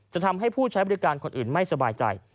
ทำให้ผู้ใช้บริการคนอื่นไม่สบายใจ